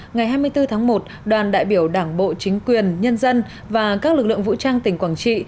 ngày hai mươi bốn tháng một đoàn đại biểu đảng bộ chính quyền nhân dân và các lực lượng vũ trang tỉnh quảng trị